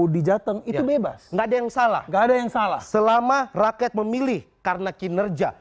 di jateng itu bebas nggak ada yang salah nggak ada yang salah selama rakyat memilih karena kinerja